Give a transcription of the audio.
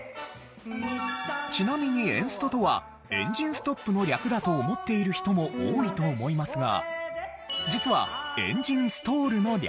ちなみにエンストとは「エンジンストップ」の略だと思っている人も多いと思いますが実は「エンジンストール」の略。